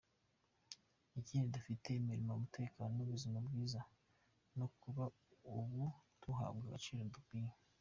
Ikindi dufite imirimo ,umutekano n’ubuzima bwiza no kuba ubu duhabwa agaciro gakwiye.